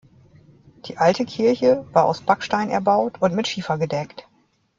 Die alte Kirche war aus Backstein erbaut und mit Schiefer gedeckt.